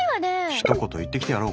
ひとこと言ってきてやろうか？